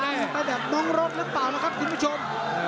จะตามไปแบบมองรถหรือเปล่านะครับคุณผู้ชม